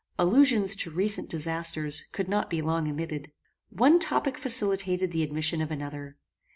Allusions to recent disasters could not be long omitted. One topic facilitated the admission of another.